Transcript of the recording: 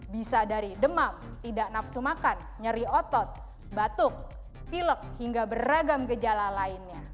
bisa dari demam tidak nafsu makan nyeri otot batuk pilek hingga beragam gejala lainnya